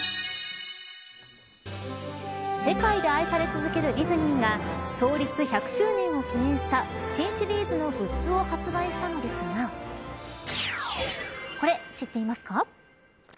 世界で愛され続けるディズニーが創立１００周年を記念した新シリーズのグッズを発売したのですがこれ、知っていますか。